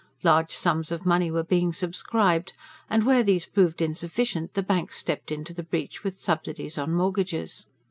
Large sums of money were being subscribed; and, where these proved insufficient, the banks stepped into the breach with subsidies on mortgages.